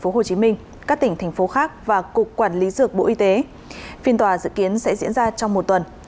hồ chí minh các tỉnh thành phố khác và cục quản lý dược bộ y tế phiên tòa dự kiến sẽ diễn ra trong một tuần